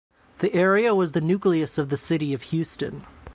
The area was the nucleus of the city of Houston.